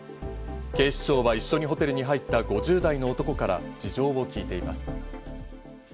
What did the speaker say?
警視庁は一緒にホテルに入った５０代の男から事情を聞いています。